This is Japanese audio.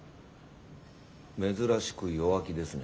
珍しく弱気ですね。